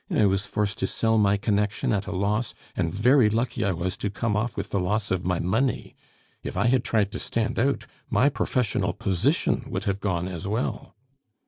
I was forced to sell my connection at a loss, and very lucky I was to come off with the loss of my money. If I had tried to stand out, my professional position would have gone as well.